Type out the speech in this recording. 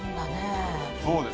そうですね。